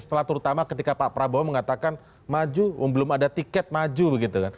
setelah terutama ketika pak prabowo mengatakan maju belum ada tiket maju begitu kan